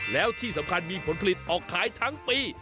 แล้วที่สำคัญมีผลผลิตออกขายทั้งปี